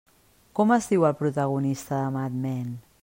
Com es diu el protagonista de Mad Men?